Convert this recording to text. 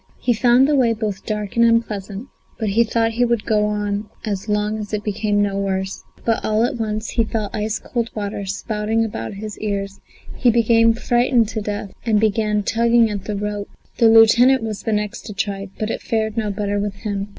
He found the way both dark and unpleasant, but he thought he would go on as long as it became no worse. But all at once he felt ice cold water spouting about his ears; he became frightened to death and began tugging at the rope. The lieutenant was the next to try, but it fared no better with him.